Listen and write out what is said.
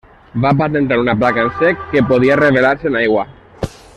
Va patentar una placa en sec que podia revelar-se en aigua.